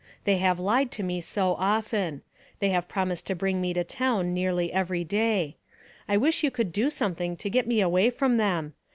They have lied to me so often ; they have promised to bring me to town nearly every day. I wish you could do something to get me away from them.